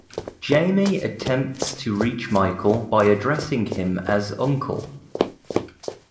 Jamie attempts to reach Michael by addressing him as Uncle.